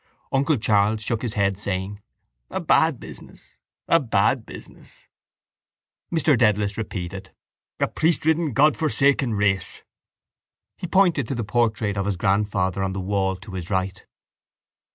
Uncle Charles shook his head, saying: —A bad business! A bad business! Mr Dedalus repeated: —A priestridden Godforsaken race! He pointed to the portrait of his grandfather on the wall to his right.